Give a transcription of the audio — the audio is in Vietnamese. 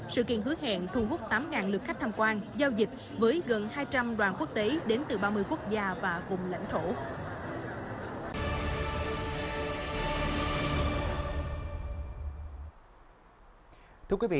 sự kiện hứa hẹn thu hút tám lượt khách tham quan giao dịch với gần hai trăm linh đoàn quốc tế đến từ ba mươi quốc gia và vùng lãnh thổ